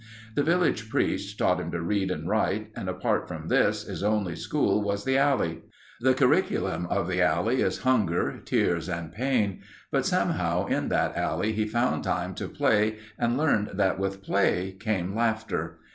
The village priest taught him to read and write and apart from this, his only school was the alley. The curriculum of the alley is hunger, tears, and pain but somehow in that alley he found time to play and learned that with play came laughter.